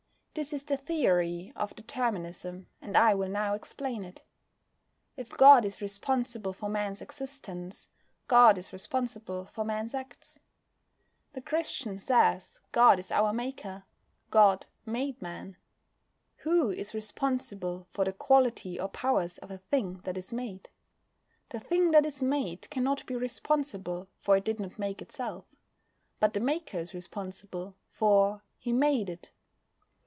This is the theory of Determinism, and I will now explain it. If God is responsible for Man's existence, God is responsible for Man's acts. The Christian says God is our Maker. God made Man. Who is responsible for the quality or powers of a thing that is made? The thing that is made cannot be responsible, for it did not make itself. But the maker is responsible, for he made it.